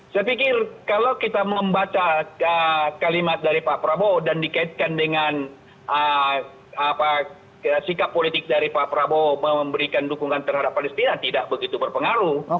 saya pikir kalau kita membaca kalimat dari pak prabowo dan dikaitkan dengan sikap politik dari pak prabowo memberikan dukungan terhadap palestina tidak begitu berpengaruh